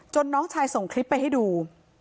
น้องชายส่งคลิปไปให้ดู